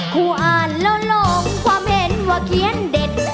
ครูอ่านแล้วลงความเห็นว่าเขียนเด็ด